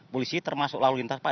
polisi termasuk lalu lintas pak